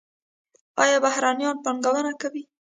آیا بهرنیان پانګونه کوي؟